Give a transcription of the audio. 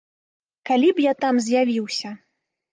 Калі б я там з'явіўся.